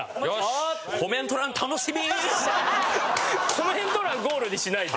コメント欄ゴールにしないで。